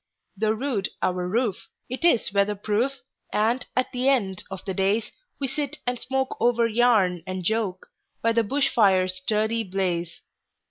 Though rude our roof, it is weather proof, And at the end of the daysWe sit and smoke over yarn and joke, By the bush fire's sturdy blaze.